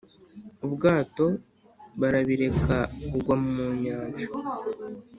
ubwato barabireka bugwa mu nyanja